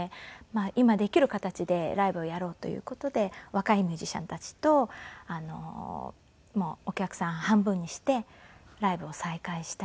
今できる形でライブをやろうという事で若いミュージシャンたちともうお客さん半分にしてライブを再開したり。